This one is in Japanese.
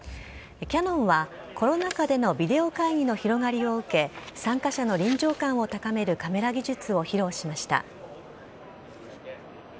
キヤノンはコロナ禍でのビデオ会議の広がりを受け参加者の臨場感を高めるカメラ技術を披露しました。